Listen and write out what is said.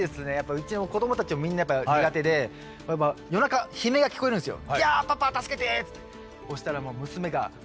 うちの子どもたちもみんなやっぱ苦手で夜中悲鳴が聞こえるんですよ。